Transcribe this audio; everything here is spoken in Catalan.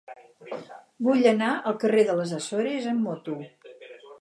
Vull anar al carrer de les Açores amb moto.